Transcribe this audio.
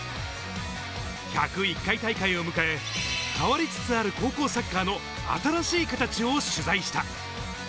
１０１回大会を迎え、変わりつつある高校サッカーの新しいカタチを取材した。